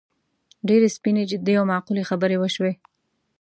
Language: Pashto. ډېرې سپینې، جدي او معقولې خبرې وشوې.